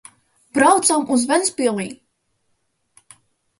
Braucam uz Ventspili!